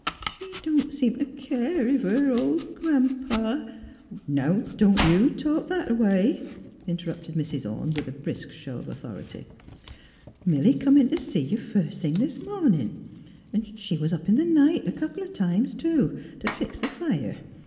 She don't seem t' keer ef her ol' gran 'pa "'^ Now, don' you talk that a way," interrupted Mrs. Orne, with a brisk show of authority. MILLY 357 '' Milly come in t' seg you, first thing this mornin'. She was np in the night a couple o' times, too, t' fix th' fire.